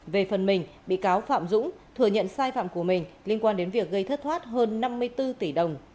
về phần mình bị cáo phạm dũng thừa nhận sai phạm của mình liên quan đến việc gây thất thoát hơn năm mươi bốn tỷ đồng